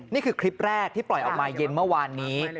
นี่คือคลิปแรกที่ปล่อยออกมาเย็นเมื่อวานนี้